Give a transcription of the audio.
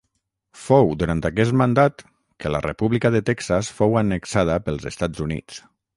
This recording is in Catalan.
Fou durant aquest mandat que la República de Texas fou annexada pels Estats Units.